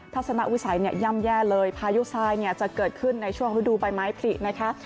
ทัศนวิสัยเนี่ยย่ำแย่เลยพายุทรายเนี่ยจะเกิดขึ้นในช่วงฤดูใบไม้ผลินะคะ